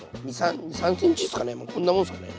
２３ｃｍですかねこんなもんですかね。